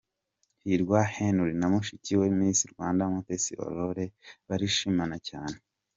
Hirwa Henry na mushiki we, Miss Rwanda Mutesi Aurore barishimanaga cyane.